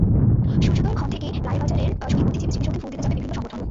সূর্যোদয়ের ক্ষণ থেকেই রায়েরবাজারের শহীদ বুদ্ধিজীবী স্মৃতিসৌধে ফুল দিতে যাবে বিভিন্ন সংগঠন।